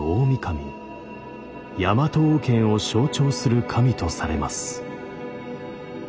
ヤマト王権を象徴する神とされます。